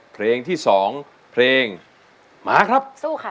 เพลงที่สองเพลงมาครับสู้ค่ะ